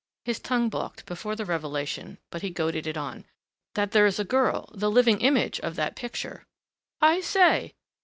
His tongue balked before the revelation but he goaded it on. "That there is a girl the living image of that picture." "I say!"